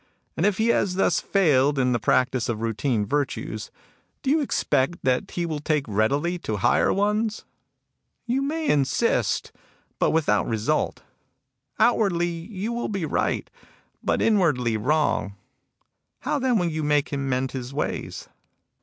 And if he has thus failed in the practice of routine virtues, do you expect that he will take readily to higher ones ? You may insist, but without result. Outwardly you will be right, but inwardly wrong. How then will you make him mend his ways